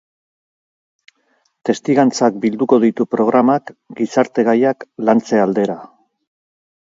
Testigantzak bilduko ditu programak, gizarte gaiak lantze aldera.